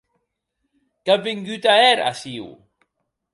Qué an vengut a hèr aciu?